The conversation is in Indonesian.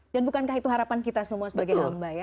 dan bukankah itu harapan kita semua sebagai hamba ya